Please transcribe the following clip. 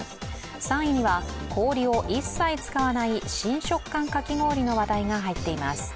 ３位には、氷を一切使わない新食感かき氷の話題が入っています。